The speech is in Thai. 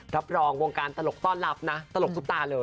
รับรองวงการตลกต้อนรับนะตลกซุปตาเลย